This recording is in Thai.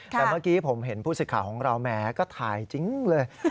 แต่เมื่อกี้ผมเห็นผู้สิทธิ์ข่าวของเราแหมก็ถ่ายจริงเลย